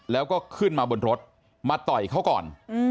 แล้วก็ขึ้นมาบนรถมาต่อยเขาก่อน